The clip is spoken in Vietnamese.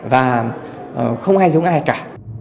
và không ai giống ai cả